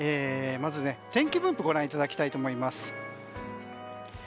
まず天気分布をご覧いただきたいと思います。